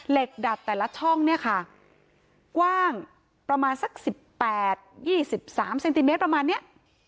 เหล็กดัดแต่ละช่องเนี้ยค่ะกว้างประมาณสักสิบแปดยี่สิบสามเซนติเมตรประมาณเนี้ย